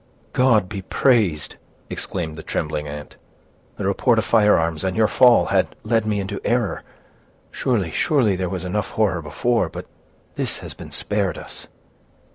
"God be praised!" exclaimed the trembling aunt. "The report of firearms, and your fall, had led me into error. Surely, surely, there was enough horror before; but this has been spared us."